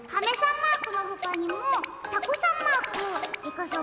マークのほかにもタコさんマークイカさん